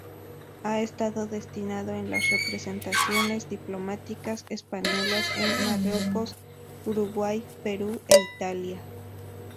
Ha estado destinado en las representaciones diplomáticas españolas en Marruecos, Uruguay, Perú e Italia.